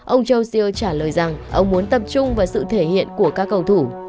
ông châu siêu trả lời rằng ông muốn tập trung vào sự thể hiện của các cầu thủ